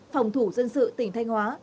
phòng thủ dân sự tỉnh thanh hóa